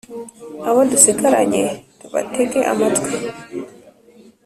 Abo dusigaranye tubatege amatwi